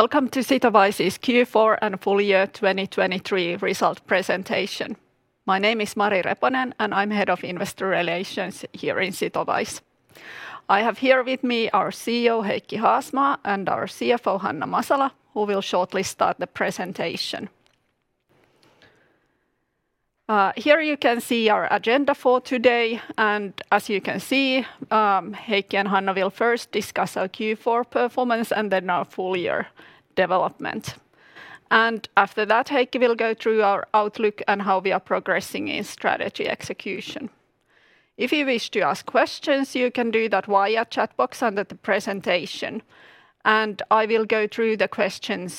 Welcome to Sitowise's Q4 and full year 2023 result presentation. My name is Mari Reponen, and I'm Head of Investor Relations here in Sitowise. I have here with me our CEO, Heikki Haasmaa, and our CFO, Hanna Masala, who will shortly start the presentation. Here you can see our agenda for today, and as you can see, Heikki and Hanna will first discuss our Q4 performance, and then our full year development. After that, Heikki will go through our outlook and how we are progressing in strategy execution. If you wish to ask questions, you can do that via chat box under the presentation, and I will go through the questions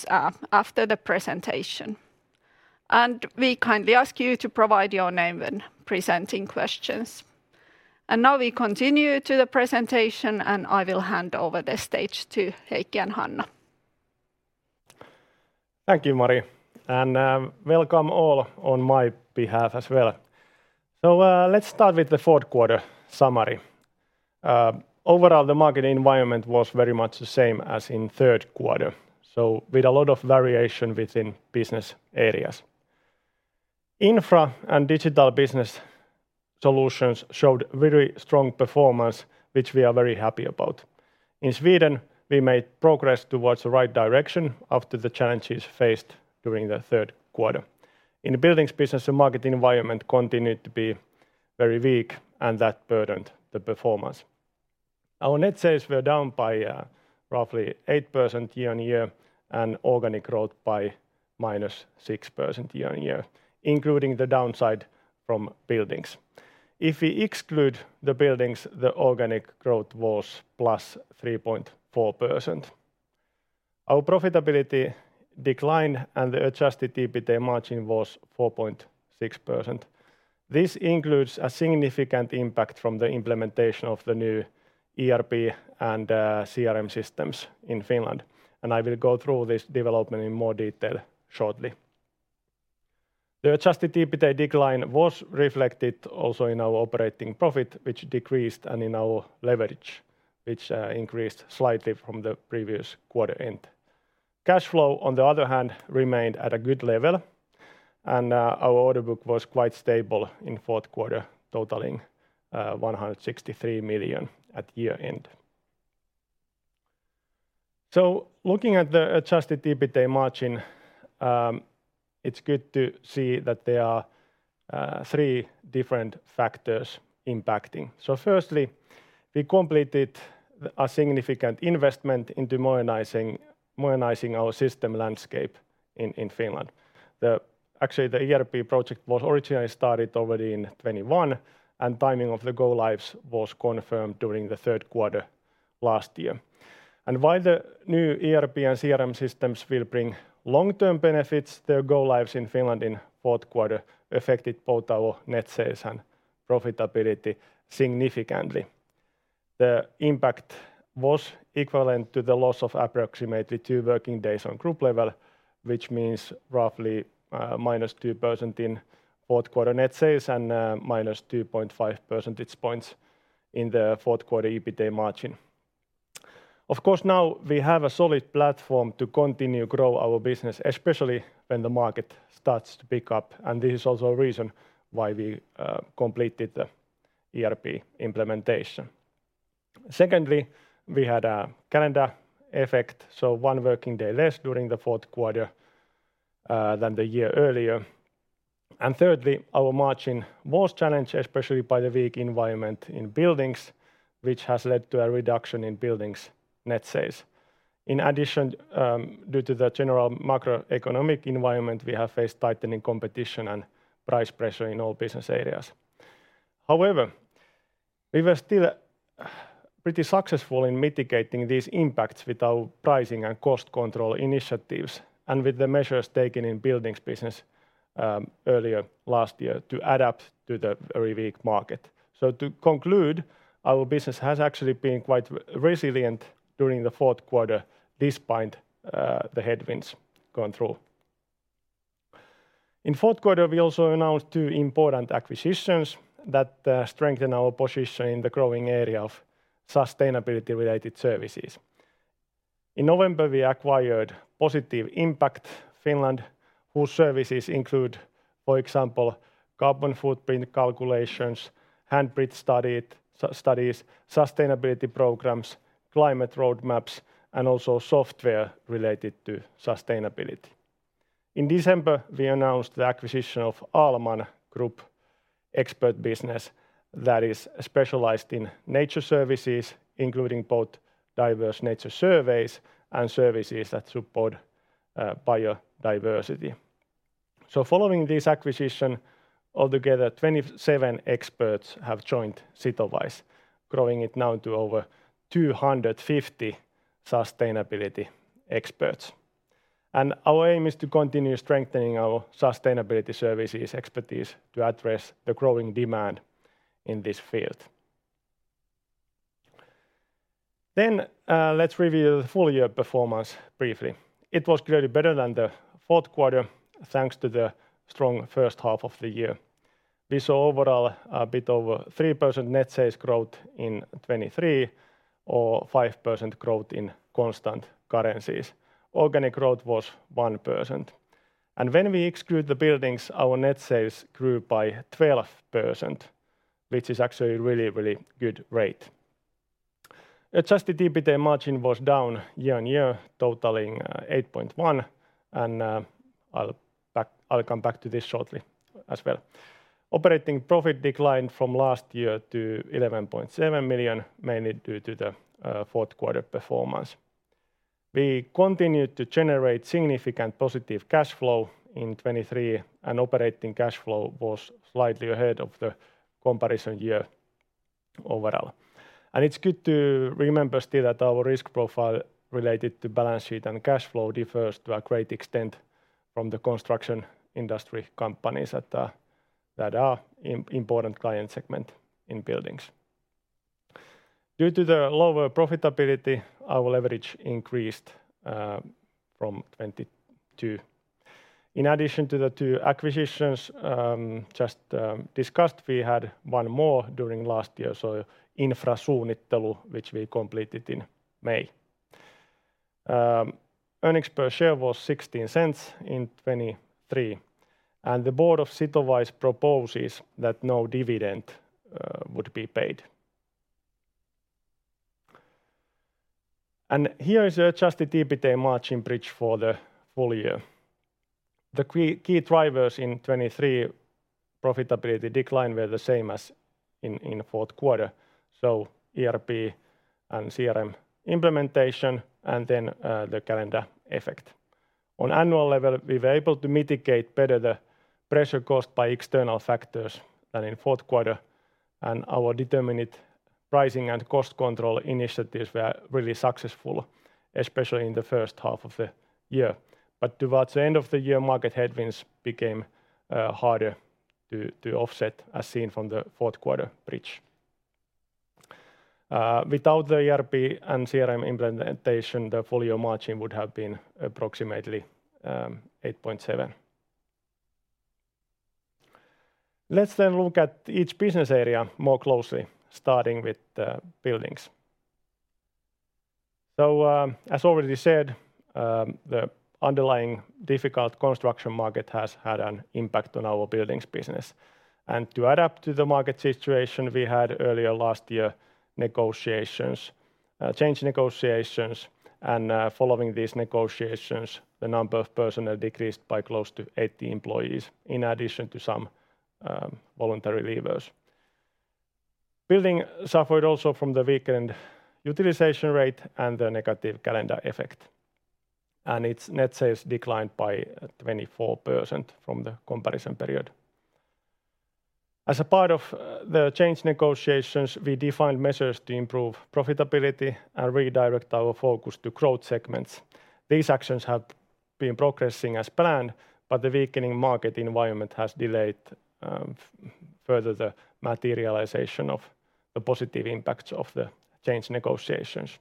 after the presentation. We kindly ask you to provide your name when presenting questions. Now we continue to the presentation, and I will hand over the stage to Heikki and Hanna. Thank you, Mari, and, welcome all on my behalf as well. So, let's start with the Q4 summary. Overall, the market environment was very much the same as in Q3, so with a lot of variation within business areas. Infra and digital business solutions showed very strong performance, which we are very happy about. In Sweden, we made progress towards the right direction after the challenges faced during the Q3. In the Buildings business, the market environment continued to be very weak, and that burdened the performance. Our net sales were down by, roughly 8% year-on-year, and organic growth by -6% year-on-year, including the downside from Buildings. If we exclude the Buildings, the organic growth was +3.4%. Our profitability declined, and the Adjusted EBITDA margin was 4.6%. This includes a significant impact from the implementation of the new ERP and CRM systems in Finland, and I will go through this development in more detail shortly. The adjusted EBITDA decline was reflected also in our operating profit, which decreased, and in our leverage, which increased slightly from the previous quarter end. Cash flow, on the other hand, remained at a good level, and our order book was quite stable in Q4, totaling EUR 163 million at year-end. So looking at the adjusted EBITDA margin, it's good to see that there are three different factors impacting. So firstly, we completed a significant investment into modernizing our system landscape in Finland. Actually, the ERP project was originally started already in 2021, and timing of the go-lives was confirmed during the Q3 last year. While the new ERP and CRM systems will bring long-term benefits, their go-lives in Finland in Q4 affected both our net sales and profitability significantly. The impact was equivalent to the loss of approximately 2 working days on group level, which means roughly minus 2% in Q4 net sales and minus 2.5 percentage points in the Q4 EBITDA margin. Of course, now we have a solid platform to continue grow our business, especially when the market starts to pick up, and this is also a reason why we completed the ERP implementation. Secondly, we had a calendar effect, so 1 working day less during the Q4 than the year earlier. And thirdly, our margin was challenged, especially by the weak environment in Buildings, which has led to a reduction in Buildings net sales. In addition, due to the general macroeconomic environment, we have faced tightening competition and price pressure in all business areas. However, we were still pretty successful in mitigating these impacts with our pricing and cost control initiatives, and with the measures taken in Buildings business earlier last year to adapt to the very weak market. So to conclude, our business has actually been quite resilient during the Q4, despite the headwinds going through. In Q4, we also announced two important acquisitions that strengthen our position in the growing area of sustainability-related services. In November, we acquired Positive Impact Finland, whose services include, for example, carbon footprint calculations, handprint studies, sustainability programs, climate roadmaps, and also software related to sustainability. In December, we announced the acquisition of Ahlman Group expert business that is specialized in nature services, including both diverse nature surveys and services that support biodiversity. Following this acquisition, altogether, 27 experts have joined Sitowise, growing it now to over 250 sustainability experts. Our aim is to continue strengthening our sustainability services expertise to address the growing demand in this field. Let's review the full year performance briefly. It was clearly better than the Q4, thanks to the strong first half of the year.... We saw overall a bit over 3% net sales growth in 2023, or 5% growth in constant currencies. Organic growth was 1%. And when we exclude the Buildings, our net sales grew by 12%, which is actually a really, really good rate. Adjusted EBITDA margin was down year-on-year, totaling 8.1%, and I'll come back to this shortly as well. Operating profit declined from last year to 11.7 million, mainly due to the Q4 performance. We continued to generate significant positive cash flow in 2023, and operating cash flow was slightly ahead of the comparison year overall. It's good to remember still that our risk profile related to balance sheet and cash flow differs to a great extent from the construction industry companies that are important client segment in Buildings. Due to the lower profitability, our leverage increased from 22. In addition to the two acquisitions just discussed, we had one more during last year, so Infrasuunnittelu, which we completed in May. Earnings per share was 0.16 in 2023, and the board of Sitowise proposes that no dividend would be paid. Here is the adjusted EBITDA margin bridge for the full year. The key, key drivers in 2023 profitability decline were the same as in the Q4, so ERP and CRM implementation, and then the calendar effect. On annual level, we were able to mitigate better the pressure caused by external factors than in Q4, and our determined pricing and cost control initiatives were really successful, especially in the first half of the year. Towards the end of the year, market headwinds became harder to offset, as seen from the Q4 bridge. Without the ERP and CRM implementation, the full year margin would have been approximately 8.7%. Let's then look at each business area more closely, starting with the Buildings. So, as already said, the underlying difficult construction market has had an impact on our Buildings business. And to adapt to the market situation, we had earlier last year, negotiations, change negotiations, and, following these negotiations, the number of personnel decreased by close to 80 employees, in addition to some, voluntary leavers. Buildings suffered also from the weakened utilization rate and the negative calendar effect, and its net sales declined by 24% from the comparison period. As a part of, the change negotiations, we defined measures to improve profitability and redirect our focus to growth segments. These actions have been progressing as planned, but the weakening market environment has delayed, further the materialization of the positive impacts of the change negotiations.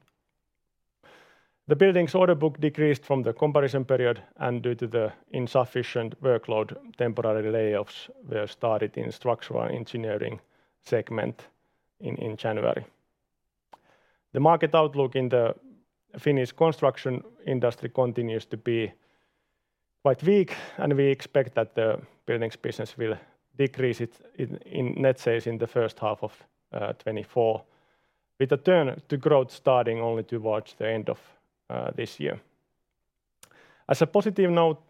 The Buildings order book decreased from the comparison period, and due to the insufficient workload, temporary layoffs were started in the structural engineering segment in January. The market outlook in the Finnish construction industry continues to be quite weak, and we expect that the Buildings business will decrease in net sales in the first half of 2024, with a turn to growth starting only towards the end of this year. As a positive note,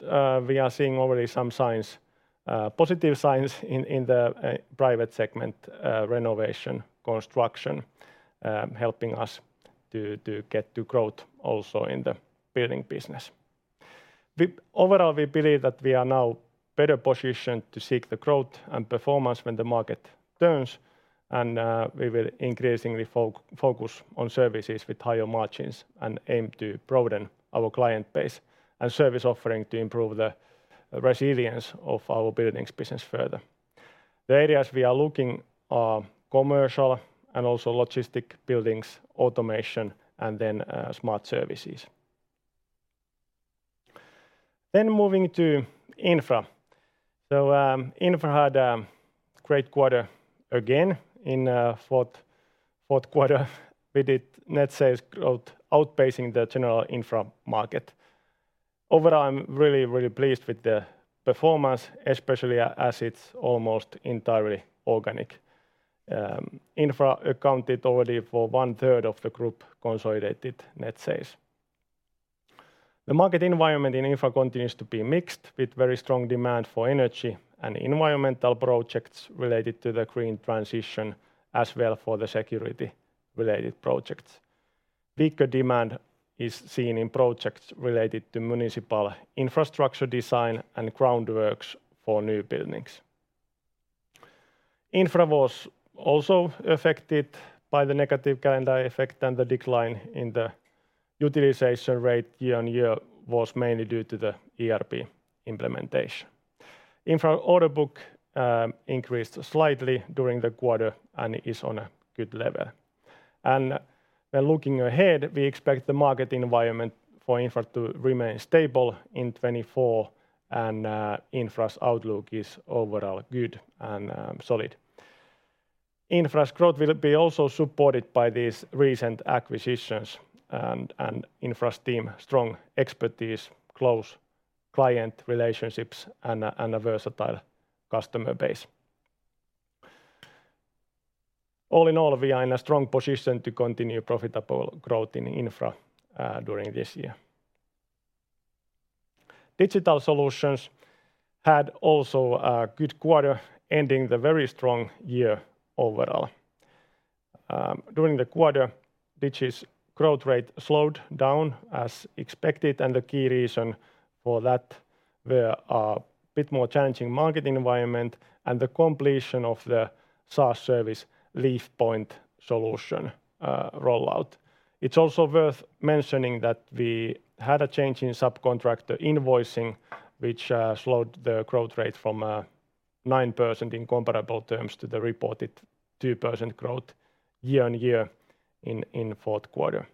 we are seeing already some positive signs in the private segment, renovation construction, helping us to get to growth also in the building business. We... Overall, we believe that we are now better positioned to seek the growth and performance when the market turns, and we will increasingly focus on services with higher margins and aim to broaden our client base and service offering to improve the resilience of our Buildings business further. The areas we are looking are commercial and also logistic buildings, automation, and then smart services. Then moving to Infra. So, Infra had a great quarter again in the Q4. We did net sales growth outpacing the general Infra market. Overall, I'm really, really pleased with the performance, especially as it's almost entirely organic. Infra accounted already for one-third of the group consolidated net sales. The market environment in Infra continues to be mixed, with very strong demand for energy and environmental projects related to the green transition, as well for the security-related projects. Weaker demand is seen in projects related to municipal infrastructure design and groundworks for new buildings. Infra was also affected by the negative calendar effect, and the decline in the utilization rate year-on-year was mainly due to the ERP implementation. Infra order book increased slightly during the quarter and is on a good level. When looking ahead, we expect the market environment for Infra to remain stable in 2024, and Infra's outlook is overall good and solid. Infra's growth will be also supported by these recent acquisitions and Infra's team strong expertise, close client relationships, and a versatile customer base. All in all, we are in a strong position to continue profitable growth in Infra during this year. Digital Solutions had also a good quarter, ending the very strong year overall. During the quarter, Digi's growth rate slowed down as expected, and the key reason for that were a bit more challenging market environment and the completion of the SaaS service LeafPoint solution rollout. It's also worth mentioning that we had a change in subcontractor invoicing, which slowed the growth rate from 9% in comparable terms to the reported 2% growth year-on-year in Q4.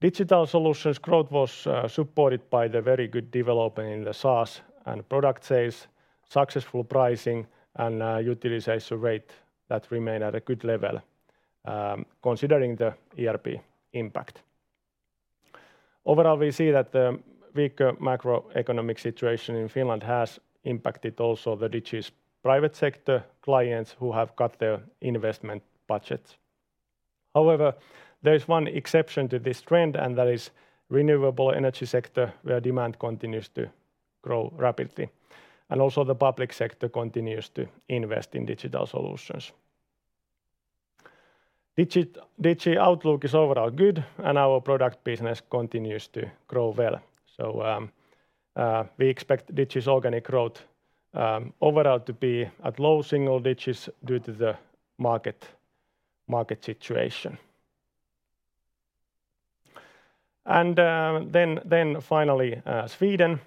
Digital solutions growth was supported by the very good development in the SaaS and product sales, successful pricing, and utilization rate that remained at a good level, considering the ERP impact. Overall, we see that the weaker macroeconomic situation in Finland has impacted also the Digi's private sector clients, who have cut their investment budgets. However, there is one exception to this trend, and that is renewable energy sector, where demand continues to grow rapidly, and also the public sector continues to invest in digital solutions. Digi outlook is overall good, and our product business continues to grow well. We expect Digi's organic growth overall to be at low single digits due to the market situation. Finally, Sweden.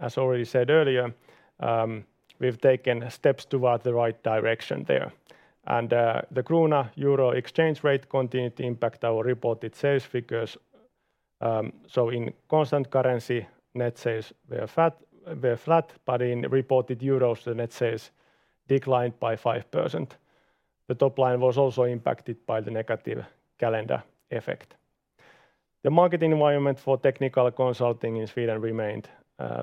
As already said earlier, we've taken steps toward the right direction there. And the krona-euro exchange rate continued to impact our reported sales figures. In constant currency, net sales were flat, but in reported euros, the net sales declined by 5%. The top line was also impacted by the negative calendar effect. The market environment for technical consulting in Sweden remained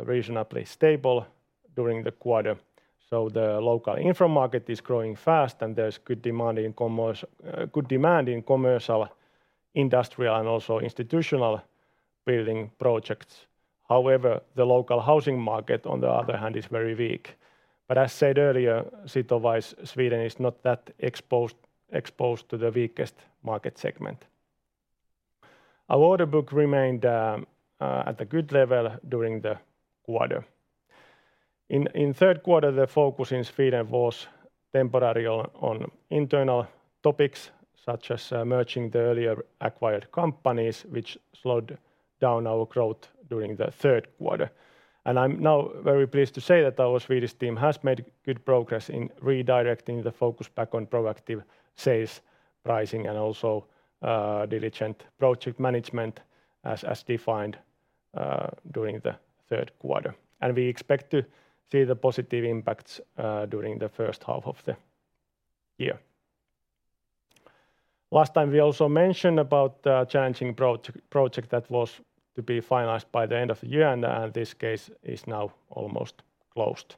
reasonably stable during the quarter, so the local infra market is growing fast, and there's good demand in commercial, industrial, and also institutional building projects. However, the local housing market, on the other hand, is very weak. But as said earlier, Sitowise Sweden is not that exposed to the weakest market segment. Our order book remained at a good level during the quarter. In Q3, the focus in Sweden was temporary on internal topics, such as merging the earlier acquired companies, which slowed down our growth during the Q3. And I'm now very pleased to say that our Swedish team has made good progress in redirecting the focus back on proactive sales, pricing, and also diligent project management, as defined during the Q3. We expect to see the positive impacts during the first half of the year. Last time, we also mentioned about the challenging project that was to be finalized by the end of the year, and this case is now almost closed.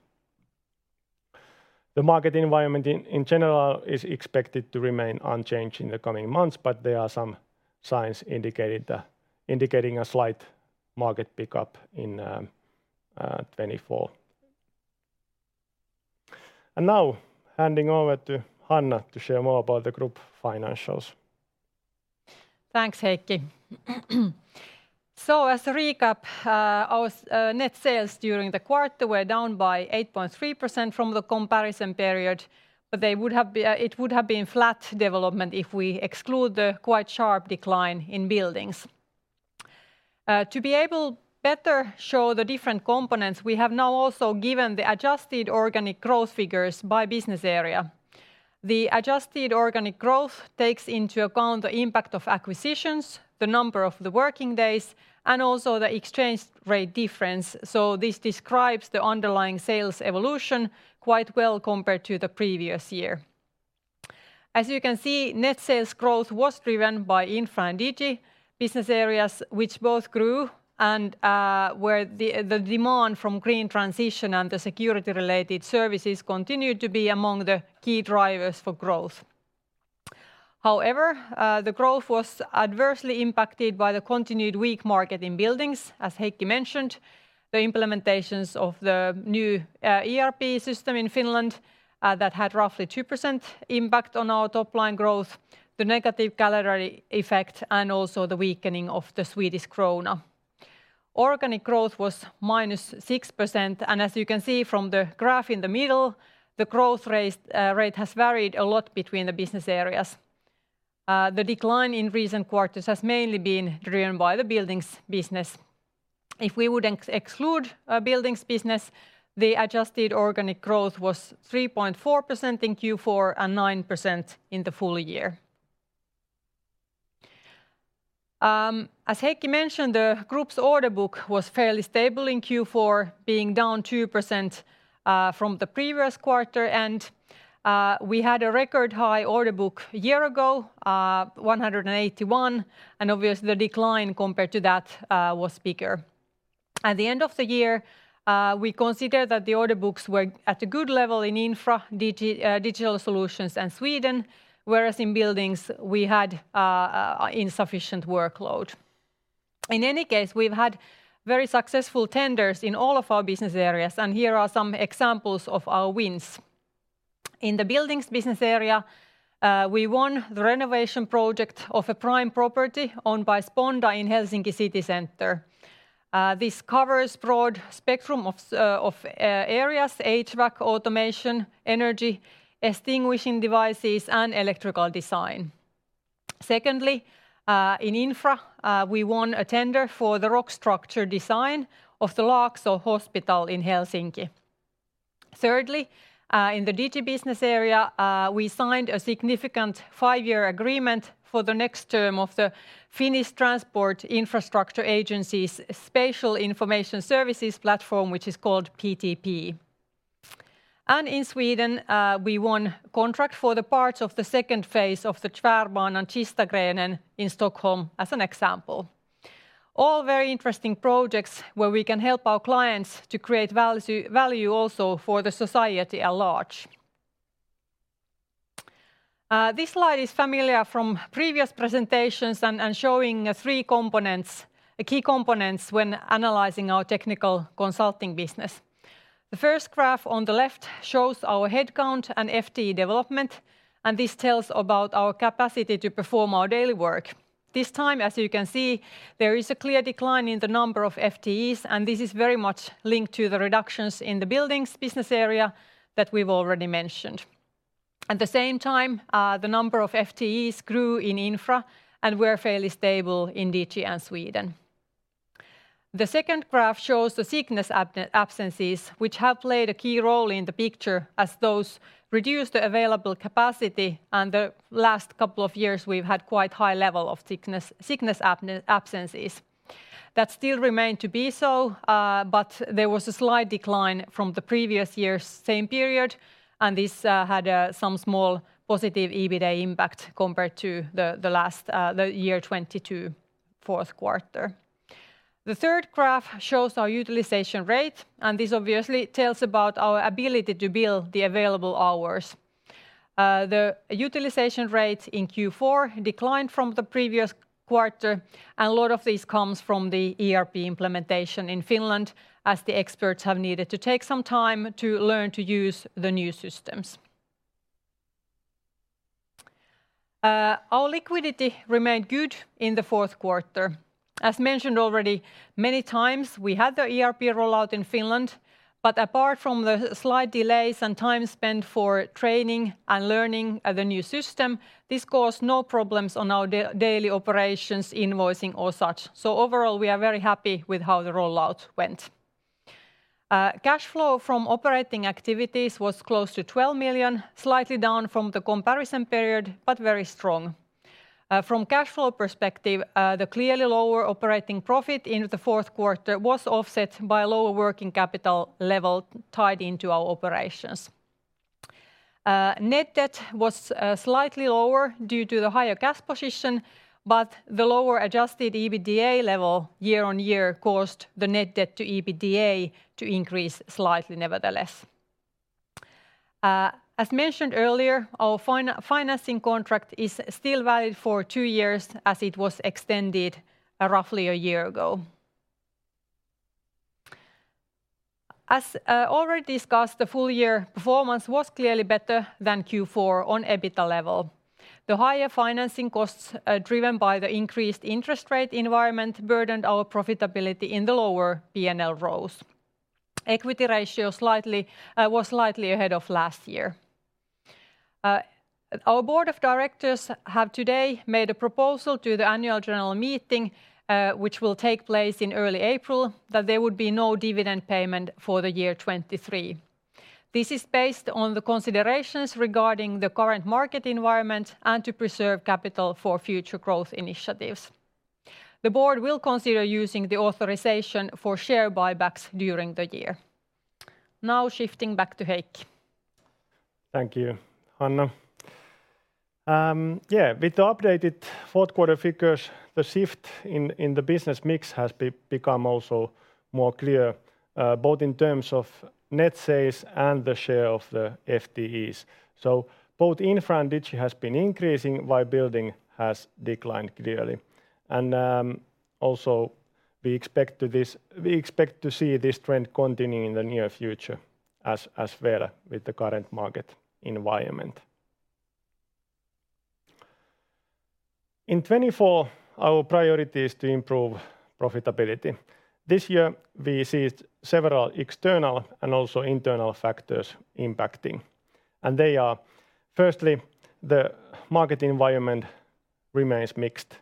The market environment in general is expected to remain unchanged in the coming months, but there are some signs indicating a slight market pickup in 2024. Now, handing over to Hanna to share more about the group financials. Thanks, Heikki. So as a recap, our net sales during the quarter were down by 8.3% from the comparison period, but it would have been flat development if we exclude the quite sharp decline in Buildings. To be able better show the different components, we have now also given the adjusted organic growth figures by business area. The adjusted organic growth takes into account the impact of acquisitions, the number of the working days, and also the exchange rate difference. So this describes the underlying sales evolution quite well compared to the previous year. As you can see, net sales growth was driven by Infra and Digi business areas, which both grew and, where the demand from green transition and the security-related services continued to be among the key drivers for growth. However, the growth was adversely impacted by the continued weak market in Buildings, as Heikki mentioned, the implementations of the new ERP system in Finland that had roughly 2% impact on our top-line growth, the negative calendar effect, and also the weakening of the Swedish krona. Organic growth was -6%, and as you can see from the graph in the middle, the growth rate has varied a lot between the business areas. The decline in recent quarters has mainly been driven by the Buildings business. If we would exclude Buildings business, the adjusted organic growth was 3.4% in Q4 and 9% in the full year. As Heikki mentioned, the group's order book was fairly stable in Q4, being down 2% from the previous quarter, and we had a record high order book a year ago, 181, and obviously the decline compared to that was bigger. At the end of the year, we consider that the order books were at a good level in Infra, Digital Solutions and Sweden, whereas in Buildings, we had insufficient workload. In any case, we've had very successful tenders in all of our business areas, and here are some examples of our wins. In the Buildings business area, we won the renovation project of a prime property owned by Sponda in Helsinki city center. This covers broad spectrum of areas: HVAC, automation, energy, extinguishing devices, and electrical design. Secondly, in Infra, we won a tender for the rock structure design of the Laakso Hospital in Helsinki. Thirdly, in the Digi business area, we signed a significant 5-year agreement for the next term of the Finnish Transport Infrastructure Agency's Spatial Information Services platform, which is called PTP. And in Sweden, we won contract for the parts of the second phase of the Tvärbanan and Kistagrenen in Stockholm, as an example. All very interesting projects where we can help our clients to create value, value also for the society at large. This slide is familiar from previous presentations and showing three components, key components, when analyzing our technical consulting business. The first graph on the left shows our headcount and FTE development, and this tells about our capacity to perform our daily work. This time, as you can see, there is a clear decline in the number of FTEs, and this is very much linked to the reductions in the Buildings business area that we've already mentioned. At the same time, the number of FTEs grew in Infra and were fairly stable in Digi and Sweden. The second graph shows the sickness absences, which have played a key role in the picture, as those reduce the available capacity, and the last couple of years, we've had quite high level of sickness absences. That still remained to be so, but there was a slight decline from the previous year's same period, and this had some small positive EBITDA impact compared to the, the last, the year 2022 Q4. The third graph shows our utilization rate, and this obviously tells about our ability to bill the available hours. The utilization rate in Q4 declined from the previous quarter, and a lot of this comes from the ERP implementation in Finland, as the experts have needed to take some time to learn to use the new systems. Our liquidity remained good in the Q4. As mentioned already many times, we had the ERP rollout in Finland, but apart from the slight delays and time spent for training and learning the new system, this caused no problems on our daily operations, invoicing or such. So overall, we are very happy with how the rollout went. Cash flow from operating activities was close to 12 million, slightly down from the comparison period, but very strong. From cash flow perspective, the clearly lower operating profit in the Q4 was offset by lower working capital level tied into our operations. Net debt was slightly lower due to the higher cash position, but the lower adjusted EBITDA level year on year caused the net debt to EBITDA to increase slightly nevertheless. As mentioned earlier, our financing contract is still valid for two years, as it was extended roughly a year ago. As already discussed, the full year performance was clearly better than Q4 on EBITDA level. The higher financing costs, driven by the increased interest rate environment, burdened our profitability in the lower P&L rows. Equity ratio was slightly ahead of last year. Our board of directors have today made a proposal to the annual general meeting, which will take place in early April, that there would be no dividend payment for the year 2023. This is based on the considerations regarding the current market environment and to preserve capital for future growth initiatives. The board will consider using the authorization for share buybacks during the year. Now, shifting back to Heikki. Thank you, Hanna. Yeah, with the updated Q4 figures, the shift in the business mix has become also more clear, both in terms of net sales and the share of the FTEs. So both Infra and Digi has been increasing, while Building has declined clearly. And also, we expect to see this trend continuing in the near future, as well with the current market environment. In 2024, our priority is to improve profitability. This year, we see several external and also internal factors impacting, and they are: firstly, the market environment remains mixed.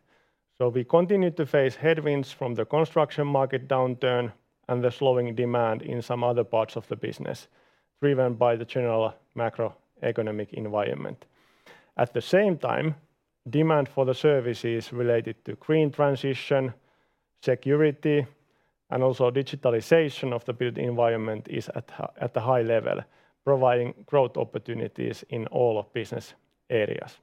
So we continue to face headwinds from the construction market downturn and the slowing demand in some other parts of the business, driven by the general macroeconomic environment. At the same time, demand for the services related to green transition, security, and also digitalization of the built environment is at a high level, providing growth opportunities in all business areas.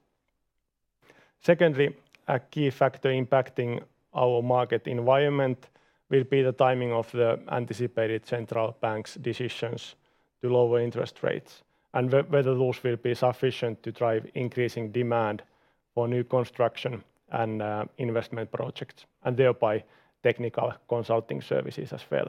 Secondly, a key factor impacting our market environment will be the timing of the anticipated central banks' decisions to lower interest rates, and whether those will be sufficient to drive increasing demand for new construction and investment projects, and thereby technical consulting services as well.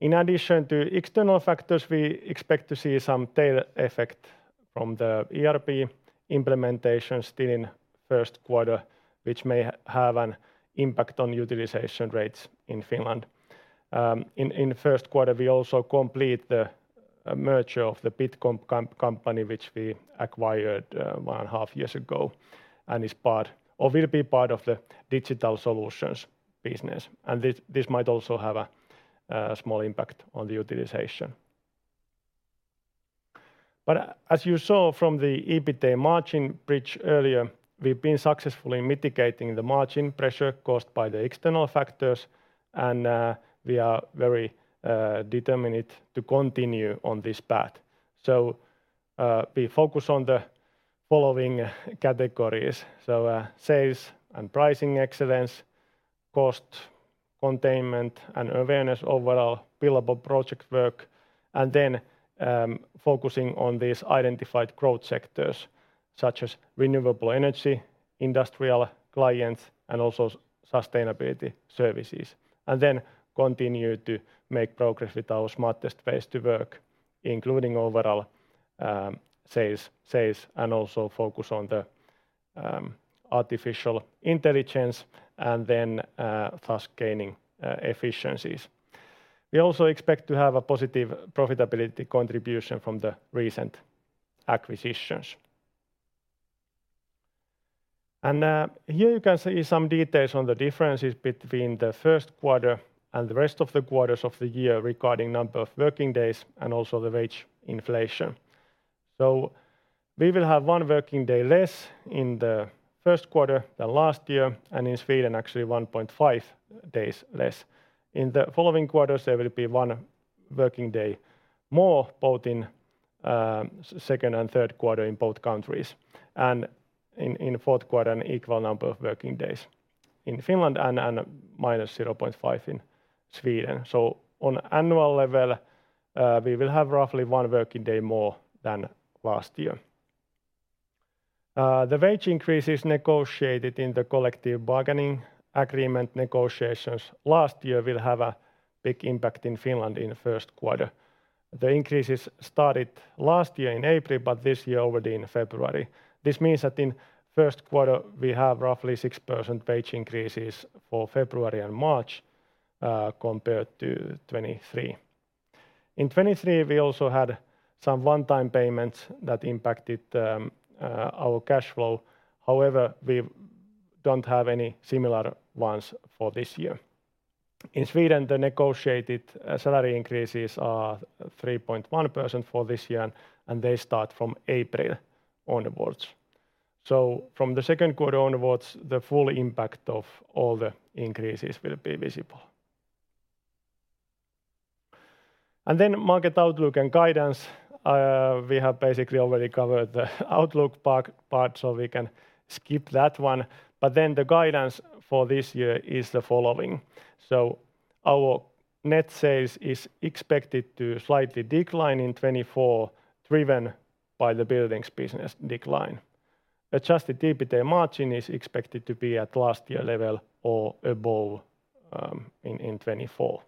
In addition to external factors, we expect to see some tail effect from the ERP implementation still in Q1, which may have an impact on utilization rates in Finland. In the Q1, we also complete the merger of the Bitcomp company, which we acquired 1.5 years ago, and is part or will be part of the Digital Solutions business. This might also have a small impact on the utilization. But as you saw from the EBITDA margin bridge earlier, we've been successfully mitigating the margin pressure caused by the external factors, and we are very determined to continue on this path. We focus on the following categories: sales and pricing excellence, cost containment, and awareness overall, billable project work, and then focusing on these identified growth sectors, such as renewable energy, industrial clients, and also sustainability services. Then continue to make progress with our smartest way to work, including overall sales and also focus on the artificial intelligence, and then thus gaining efficiencies. We also expect to have a positive profitability contribution from the recent acquisitions. Here you can see some details on the differences between the Q1 and the rest of the quarters of the year, regarding number of working days and also the wage inflation. We will have one working day less in the Q1 than last year, and in Sweden, actually 1.5 days less. In the following quarters, there will be one working day more, both in second and Q3 in both countries, and in the Q1, an equal number of working days. In Finland, minus 0.5 in Sweden. So on annual level, we will have roughly one working day more than last year. The wage increases negotiated in the collective bargaining agreement negotiations last year will have a big impact in Finland in the Q1. The increases started last year in April, but this year, already in February. This means that in Q1, we have roughly 6% wage increases for February and March, compared to 2023. In 2023, we also had some one-time payments that impacted our cash flow. However, we don't have any similar ones for this year. In Sweden, the negotiated salary increases are 3.1% for this year, and they start from April onwards. So from the Q2 onwards, the full impact of all the increases will be visible. And then market outlook and guidance. We have basically already covered the outlook part, so we can skip that one. But then the guidance for this year is the following: So our net sales is expected to slightly decline in 2024, driven by the Buildings business decline. Adjusted EBITDA margin is expected to be at last year level or above, in 2024.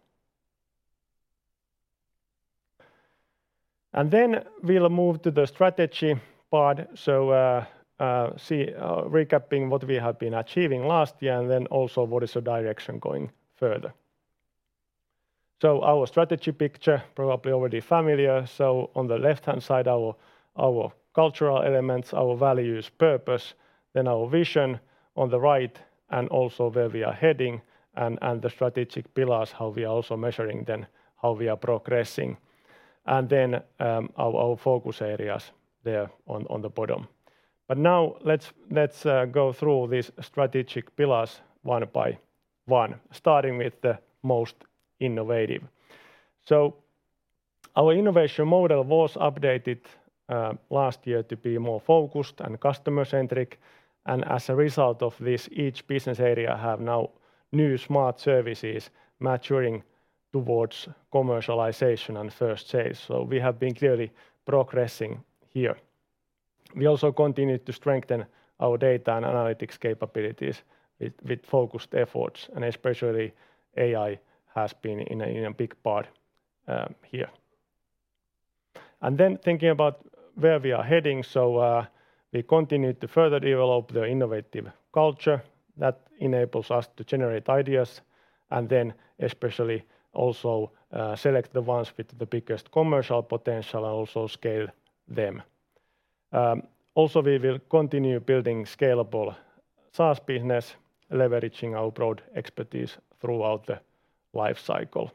And then we'll move to the strategy part, so, recapping what we have been achieving last year, and then also what is the direction going further. So our strategy picture, probably already familiar. So on the left-hand side, our cultural elements, our values, purpose, then our vision on the right, and also where we are heading, and the strategic pillars, how we are also measuring then how we are progressing. And then, our focus areas there on the bottom. But now, let's go through these strategic pillars one by one, starting with the most innovative. So our innovation model was updated last year to be more focused and customer-centric, and as a result of this, each business area have now new smart services maturing towards commercialization and first sales. So we have been clearly progressing here. We also continue to strengthen our data and analytics capabilities with focused efforts, and especially AI has been in a big part here. And then thinking about where we are heading, we continued to further develop the innovative culture that enables us to generate ideas, and then especially also select the ones with the biggest commercial potential and also scale them. Also, we will continue building scalable SaaS business, leveraging our broad expertise throughout the life cycle,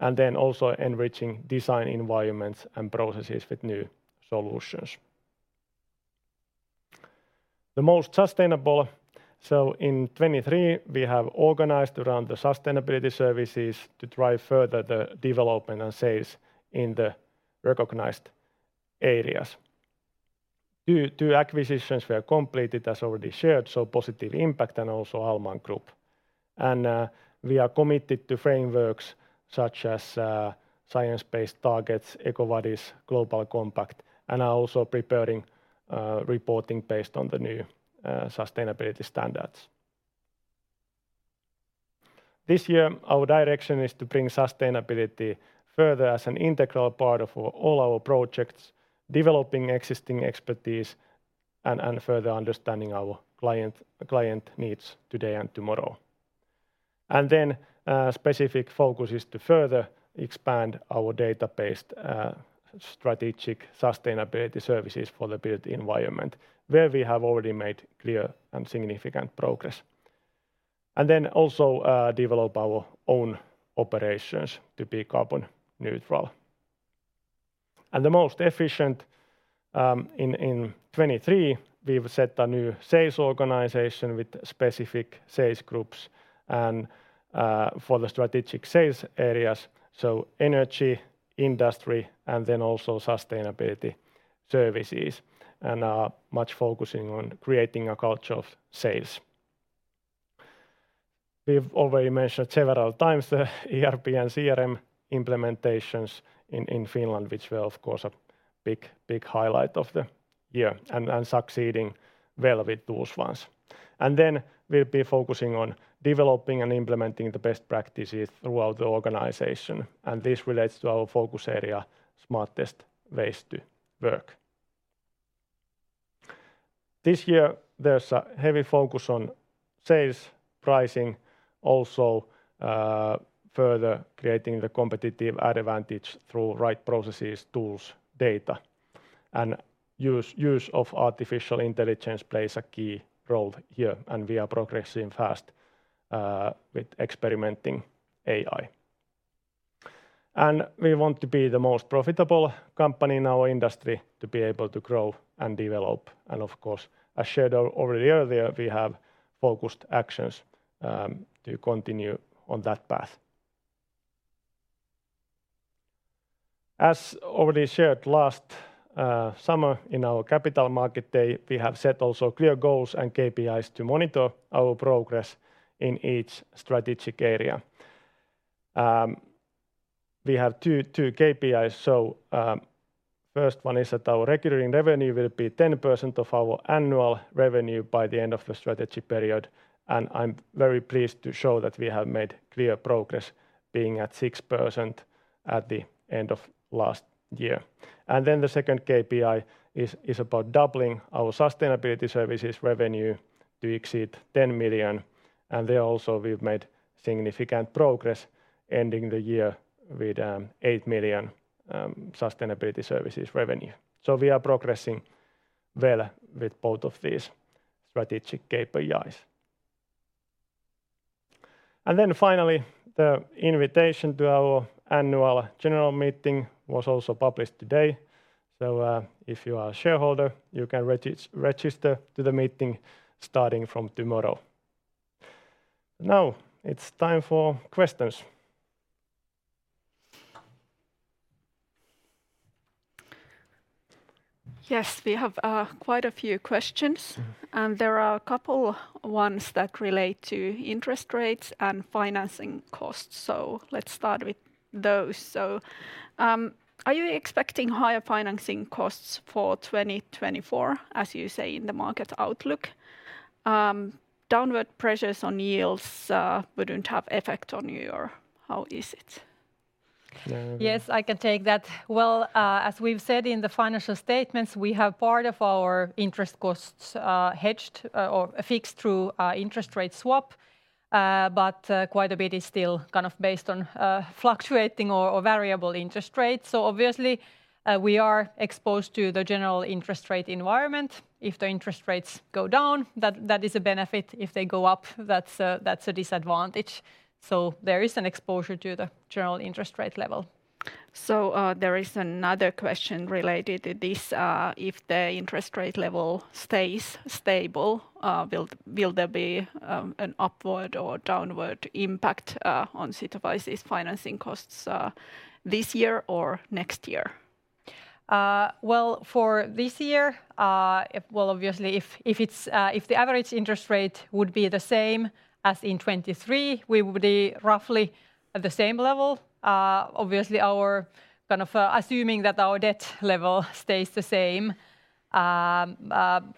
and then also enriching design environments and processes with new solutions. The most sustainable, so in 2023, we have organized around the sustainability services to drive further the development and sales in the recognized areas. Two acquisitions were completed, as already shared, so Positive Impact and also Ahlman Group. We are committed to frameworks such as Science Based Targets, EcoVadis, Global Compact, and are also preparing reporting based on the new sustainability standards. This year, our direction is to bring sustainability further as an integral part of all our projects, developing existing expertise, and further understanding our client needs today and tomorrow. Specific focus is to further expand our data-based strategic sustainability services for the built environment, where we have already made clear and significant progress. Then also, develop our own operations to be carbon neutral and the most efficient in 2023. We've set a new sales organization with specific sales groups and for the strategic sales areas, so energy, industry, and then also sustainability services, and are much focusing on creating a culture of sales. We've already mentioned several times the ERP and CRM implementations in Finland, which were, of course, a big, big highlight of the year, and succeeding well with those ones. Then we'll be focusing on developing and implementing the best practices throughout the organization, and this relates to our focus area, smartest ways to work. This year, there's a heavy focus on sales, pricing, also, further creating the competitive advantage through right processes, tools, data. And use of artificial intelligence plays a key role here, and we are progressing fast, with experimenting AI. And we want to be the most profitable company in our industry to be able to grow and develop, and of course, as shared already earlier, we have focused actions, to continue on that path. As already shared last summer in our capital market day, we have set also clear goals and KPIs to monitor our progress in each strategic area. We have two, two KPIs, so, first one is that our recurring revenue will be 10% of our annual revenue by the end of the strategy period, and I'm very pleased to show that we have made clear progress, being at 6% at the end of last year. Then the second KPI is about doubling our sustainability services revenue to exceed 10 million, and there also we've made significant progress, ending the year with 8 million sustainability services revenue. We are progressing well with both of these strategic KPIs. Finally, the invitation to our annual general meeting was also published today, so if you are a shareholder, you can register to the meeting starting from tomorrow. Now, it's time for questions. Yes, we have quite a few questions. Mm-hmm. There are a couple ones that relate to interest rates and financing costs, so let's start with those. Are you expecting higher financing costs for 2024, as you say in the market outlook? Downward pressures on yields wouldn't have effect on you, or how is it? Yeah... Yes, I can take that. Well, as we've said in the financial statements, we have part of our interest costs, hedged or fixed through an interest rate swap, but quite a bit is still kind of based on fluctuating or variable interest rates. So obviously, we are exposed to the general interest rate environment. If the interest rates go down, that is a benefit. If they go up, that's a disadvantage. So there is an exposure to the general interest rate level. So, there is another question related to this. If the interest rate level stays stable, will there be an upward or downward impact on Sitowise's financing costs this year or next year? Well, for this year, well, obviously, if it's... if the average interest rate would be the same as in 2023, we would be roughly at the same level. Obviously, our kind of... Assuming that our debt level stays the same...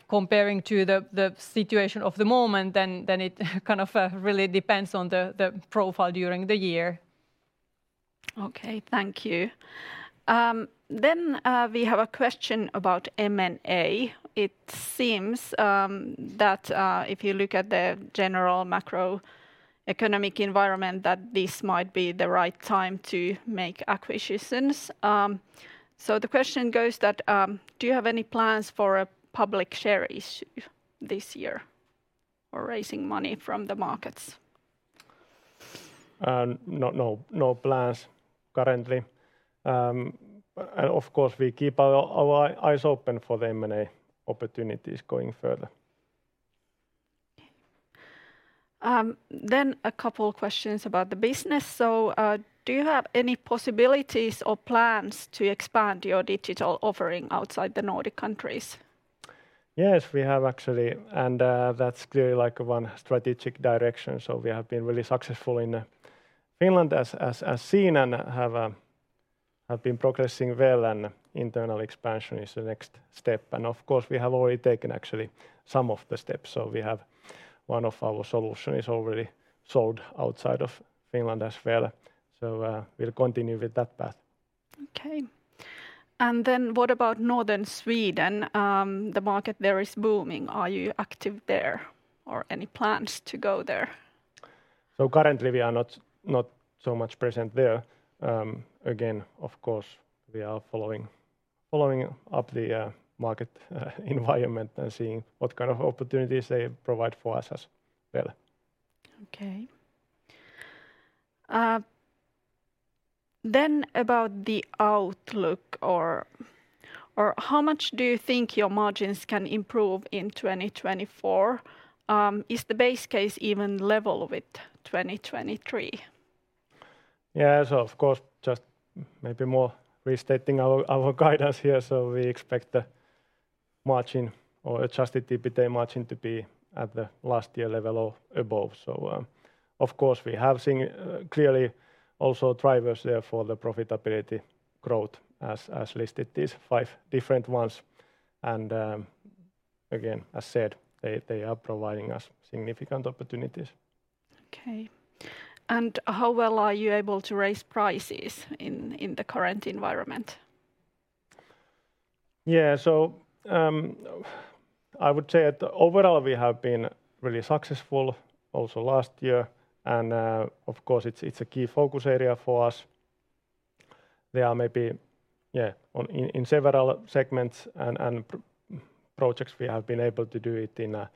comparing to the situation of the moment, then it kind of really depends on the profile during the year. Okay, thank you. Then, we have a question about M&A. It seems that, if you look at the general macroeconomic environment, that this might be the right time to make acquisitions. So the question goes that, do you have any plans for a public share issue this year or raising money from the markets? No, no, no plans currently. Of course, we keep our eyes open for the M&A opportunities going further. A couple questions about the business. Do you have any possibilities or plans to expand your digital offering outside the Nordic countries? Yes, we have actually, and that's clearly, like, one strategic direction, so we have been really successful in Finland as seen, and have been progressing well, and internal expansion is the next step. And of course, we have already taken actually some of the steps, so we have one of our solution is already sold outside of Finland as well. So, we'll continue with that path. Okay. And then what about northern Sweden? The market there is booming. Are you active there, or any plans to go there? Currently, we are not so much present there. Again, of course, we are following up the market environment and seeing what kind of opportunities they provide for us as well. Okay. Then about the outlook or how much do you think your margins can improve in 2024? Is the base case even level with 2023? Yeah, so of course, just maybe more restating our, our guidance here, so we expect the margin or adjusted EBITDA margin to be at the last year level or above. So, of course, we have seen, clearly also drivers there for the profitability growth as, as listed, these five different ones. And, again, as said, they, they are providing us significant opportunities. Okay. How well are you able to raise prices in the current environment? Yeah, so, I would say that overall we have been really successful also last year, and, of course, it's a key focus area for us. There are maybe in several segments and projects we have been able to do it in a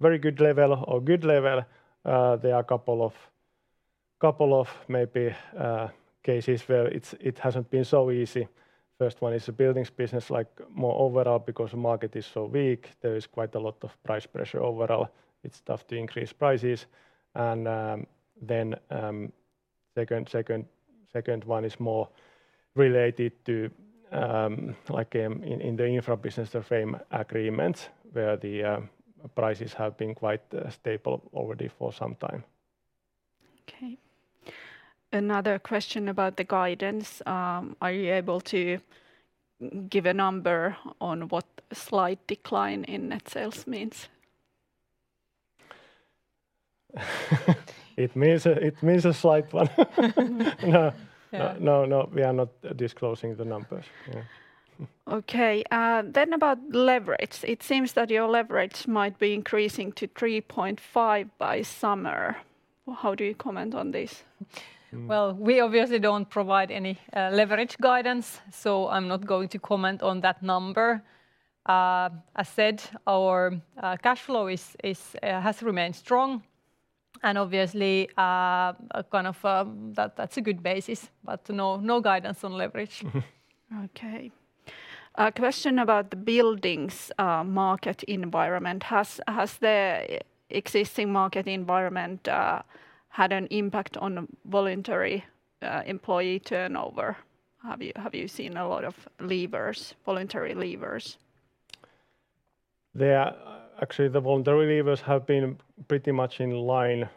very good level or good level. There are a couple of maybe cases where it hasn't been so easy. First one is the Buildings business, like more overall, because the market is so weak, there is quite a lot of price pressure overall. It's tough to increase prices. And then, second one is more related to, like, in the infra business, the frame agreements, where the prices have been quite stable already for some time. Okay. Another question about the guidance: are you able to give a number on what a slight decline in net sales means? It means a slight one. No. Yeah. No, no, we are not disclosing the numbers. Yeah. Okay, then about leverage. It seems that your leverage might be increasing to 3.5 by summer. How do you comment on this? Well, we obviously don't provide any leverage guidance, so I'm not going to comment on that number. As said, our cash flow has remained strong, and obviously kind of that's a good basis, but no, no guidance on leverage. Mm-hmm. Okay. A question about the Buildings' market environment: Has the existing market environment had an impact on voluntary employee turnover? Have you seen a lot of leavers, voluntary leavers? Actually, the voluntary leavers have been pretty much in line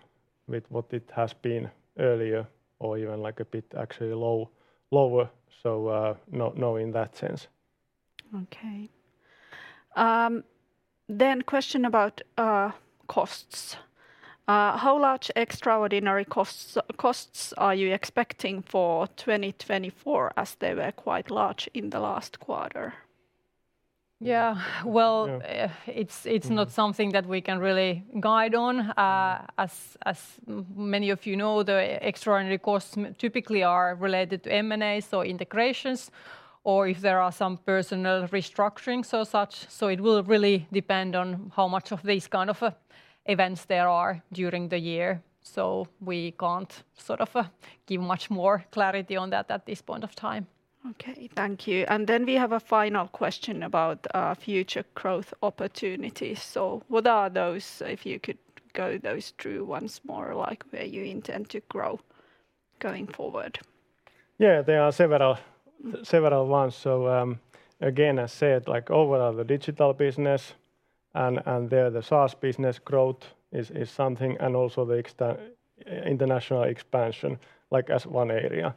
with what it has been earlier or even, like, a bit actually lower, so, no, no, in that sense. Okay. Then question about costs. How large extraordinary costs are you expecting for 2024, as they were quite large in the last quarter? Yeah, well- Yeah... it's not something- Mm... that we can really guide on. As many of you know, the extraordinary costs typically are related to M&As, so integrations, or if there are some personal restructuring, so such. So it will really depend on how much of these kind of events there are during the year, so we can't sort of, give much more clarity on that at this point of time. Okay, thank you. And then we have a final question about future growth opportunities. So what are those? If you could go those through once more, like where you intend to grow going forward. Yeah, there are several, several ones. So, again, I said, like, overall, the digital business and, and the, the SaaS business growth is, is something, and also the extension, international expansion, like as one area.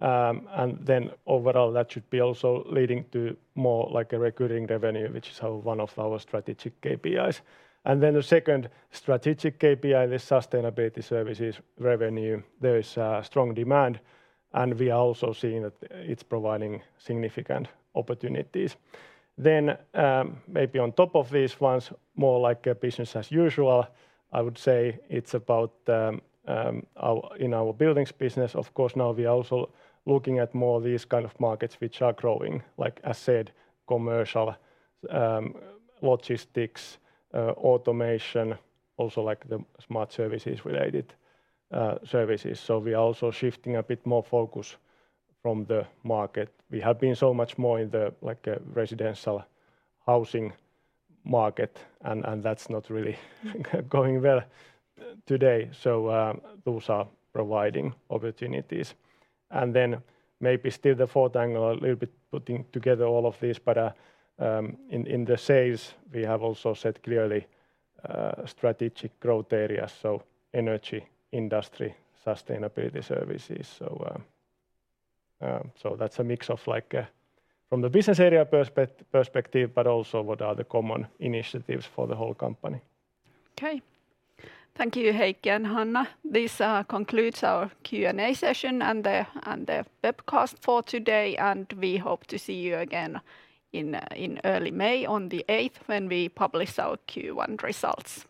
And then overall, that should be also leading to more like a recurring revenue, which is, one of our strategic KPIs. And then the second strategic KPI, the sustainability services revenue, there is a strong demand, and we are also seeing that it's providing significant opportunities. Then, maybe on top of these ones, more like a business as usual, I would say it's about, our Buildings business, of course, now we are also looking at more these kind of markets which are growing, like as said, commercial, logistics, automation, also like the smart services-related, services. So we are also shifting a bit more focus from the market. We have been so much more in the, like, residential housing market, and that's not really going well today. So, those are providing opportunities. And then maybe still the fourth angle, a little bit putting together all of this, but, in the sales, we have also set clearly, strategic growth areas, so energy, industry, sustainability services. So, so that's a mix of like, from the business area perspective, but also what are the common initiatives for the whole company. Okay. Thank you, Heikki and Hanna. This concludes our Q&A session and the webcast for today, and we hope to see you again in early May, on the eighth, when we publish our Q1 results.